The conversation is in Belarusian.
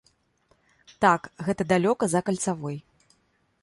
Так, гэта далёка, за кальцавой.